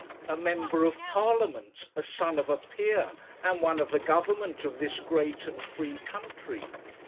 'A member of Parliament, a son of a peer, and one of the Government of this great and free country.